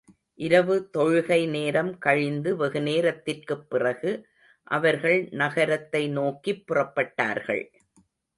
இரவு தொழுகை நேரம் கழிந்து வெகுநேரத்திற்குப் பிறகு அவர்கள் நகரத்தை நோக்கிப் புறப்பட்டார்கள்.